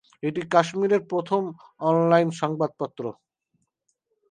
এটি কাশ্মিরের প্রথম অনলাইন সংবাদপত্র।